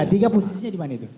tiga posisinya dimana itu